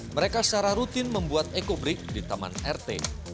mereka secara rutin membuat ekobrik di taman rt